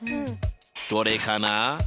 どれかな？